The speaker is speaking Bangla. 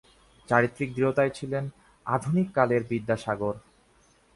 চারিত্রিক দৃঢ়তায় ছিলেন আধুনিক কালের বিদ্যাসাগর।